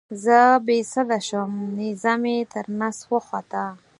زه بې سده شوم نیزه مې تر نس وخوته.